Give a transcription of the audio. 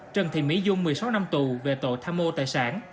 trần thị mỹ dung một mươi sáu năm tù về tội tham mô tài sản